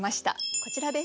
こちらです。